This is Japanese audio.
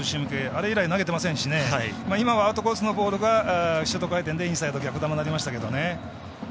あれ以来、投げてませんし今はアウトコースのボールがシュート回転でインサイド逆球なりましたけどね。